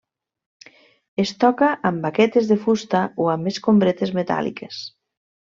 Es toca amb baquetes de fusta o amb escombretes metàl·liques.